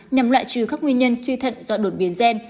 nhằm loại trừ các nguyên nhân suy thận do đột biến gen